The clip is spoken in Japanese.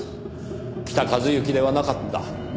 北一幸ではなかった。